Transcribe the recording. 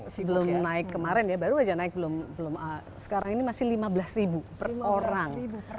sebelum naik kemarin ya baru aja naik belum sekarang ini masih lima belas ribu per orang